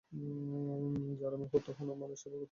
যা রামের প্রতি হনুমানের সদা-সেবাপরায়ণতার থাকার প্রতীক।